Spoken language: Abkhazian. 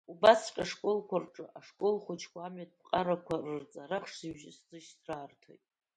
Убасҵәҟьа ашколқәа рҿы ашколхәыҷқәа амҩатә ԥҟарақәа рырҵара ахшыҩзышьҭра арҭоит.